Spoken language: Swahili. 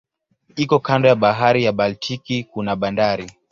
Iko kando ya bahari ya Baltiki kuna bandari.